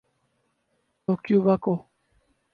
تو کیوبا کو۔